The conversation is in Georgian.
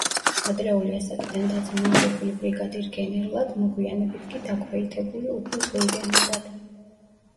ადრეული ასაკიდან დაწინაურებული ბრიგადირ–გენერლად, მოგვიანებით კი დაქვეითებული უფროს ლეიტენანტად.